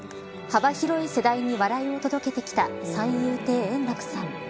幅広い世代に笑いを届けてきた三遊亭円楽さん。